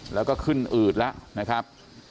แล้วก็ขึ้นอืดแล้วนะครับ